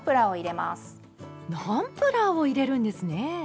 ナンプラーを入れるんですね！